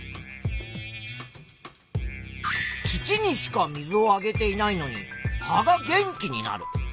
土にしか水をあげていないのに葉が元気になる。